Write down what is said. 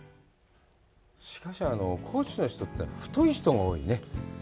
しかし、高知の人って太い人が多いね。